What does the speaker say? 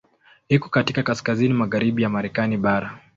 Iko katika kaskazini magharibi ya Marekani bara.